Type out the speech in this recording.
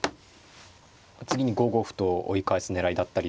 次に５五歩と追い返す狙いだったりとか。